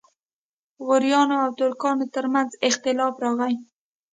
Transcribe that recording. غوریانو او ترکانو ترمنځ اختلاف راغی.